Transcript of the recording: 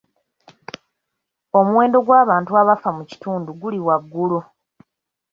Omuwendo gw'abantu abafa mu kitundu guli waggulu.